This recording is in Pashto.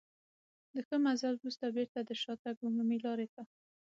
له ښه مزل وروسته بېرته د شاتګ عمومي لارې ته.